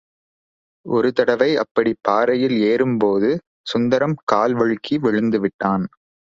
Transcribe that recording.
ஒரு தடவை அப்படிப் பாறையில் ஏறும் போது சுந்தரம் கால் வழுக்கி விழுந்துவிட்டான்.